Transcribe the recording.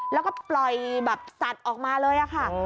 แล้วก็ปล่อยแบบสัตว์ออกมาเลยค่ะ